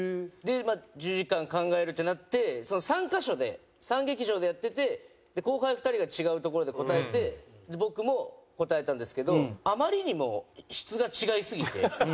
まあ１０時間考えるってなって３カ所で３劇場でやってて後輩２人が違う所で答えて僕も答えたんですけどあまりにも質が違いすぎて。